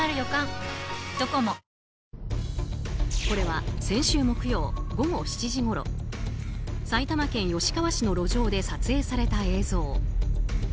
これは先週木曜午後７時ごろ埼玉県吉川市の路上で撮影された映像。